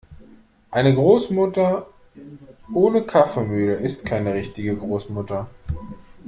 Eine Großmutter ohne Kaffeemühle ist keine richtige Großmutter.